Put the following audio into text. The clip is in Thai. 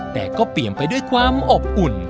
แต่ก็เปลี่ยนไปด้วยความอบอุ่น